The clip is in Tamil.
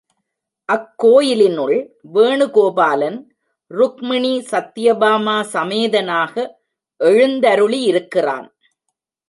அக்கோயிலினுள் வேணுகோபாலன், ருக்மிணி சத்யபாமா சமேதனாக எழுந்தருளியிருக்கிறான்.